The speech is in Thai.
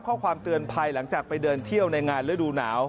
ข้อความเตือนภัยหลังจากไปเดินเที่ยวในงานฤดูหนาว